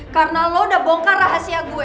karena lo udah bongkar rahasia gue